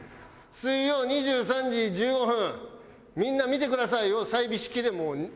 「水曜２３時１５分みんな見てください」を済美式でもう。